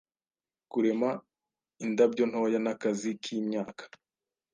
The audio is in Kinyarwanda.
Kurema indabyo ntoya nakazi kimyaka